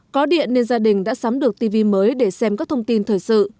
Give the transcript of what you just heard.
có điện nên gia đình đã sắm được tv mới để xem các thông tin thời sự